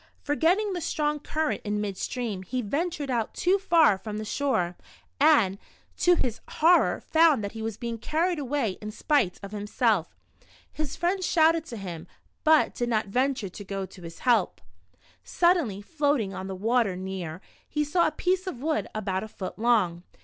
Forgetting the strong current in mid stream, he ventured out too far from the shore, and, to his horror found that he was being carried away in spite of himself. His friends shouted to him, but did not venture to go What the Squirrel Did for Richard. 105 to his help. Suddenly, floating on the water near, he saw a piece of wood, about a foot long.